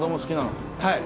はい。